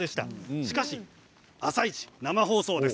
しかし「あさイチ」生放送です。